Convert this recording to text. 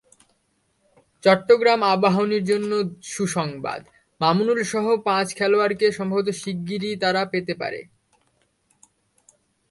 চট্টগ্রাম আবাহনীর জন্য সুসংবাদ, মামুনুলসহ পাঁচ খেলোয়াড়কে সম্ভবত শিগগিরই তারা পেতে পারে।